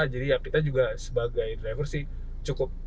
jadi kita juga sebagai driver cukup